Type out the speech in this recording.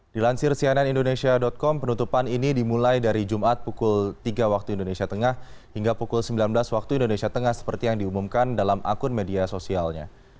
dilansir cnn indonesia com penutupan ini dimulai dari jumat pukul tiga waktu indonesia tengah hingga pukul sembilan belas waktu indonesia tengah seperti yang diumumkan dalam akun media sosialnya